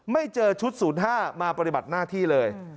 ไม่เจอชุด๐๕มาปฏิบัติหน้าที่เลย